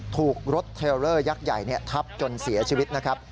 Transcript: ถูกรถเทรลเลอร์ยักษ์ใหญ่ทับจนเสียชีวิตนะครับ